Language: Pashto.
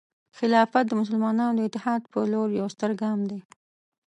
خلافت د مسلمانانو د اتحاد په لور یو ستر ګام دی.